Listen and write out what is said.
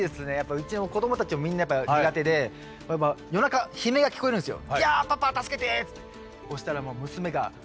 うちの子どもたちもみんなやっぱ苦手で夜中悲鳴が聞こえるんですよ。